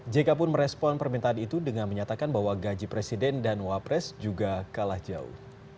jk pun merespon permintaan itu dengan menyatakan bahwa gaji presiden dan wapres juga kalah jauh